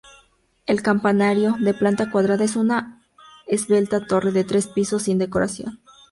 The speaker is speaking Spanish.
El campanario, de planta cuadrada, es una esbelta torre de tres pisos, sin decoración.